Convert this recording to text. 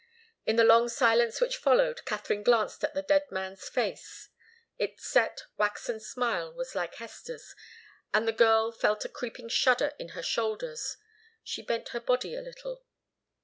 In the long silence which followed, Katharine glanced at the dead man's face. Its set, waxen smile was like Hester's, and the girl felt a creeping shudder in her shoulders. She bent her body a little.